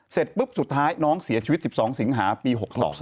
เสร็จปุ๊บสุดท้ายน้องเสียชีวิต๑๒สิงหาปี๖๒